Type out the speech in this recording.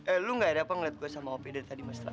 eh lo nggak ada apa ngeliat gue sama opeda tadi mas tra